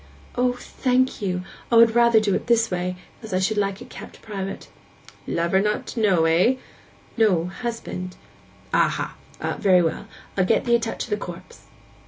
'O, thank you! I would rather do it this way, as I should like it kept private.' 'Lover not to know, eh?' 'No—husband.' 'Aha! Very well. I'll get ee' a touch of the corpse.